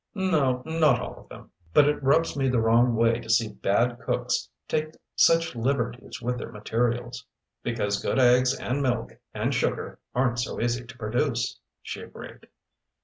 "No, not all of them. But it rubs me the wrong way to see bad cooks take such liberties with their materials." "Because good eggs and milk and sugar aren't so easy to produce," she agreed.